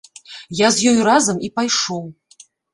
Я з ёю разам і пайшоў.